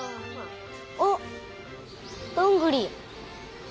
おっどんぐり。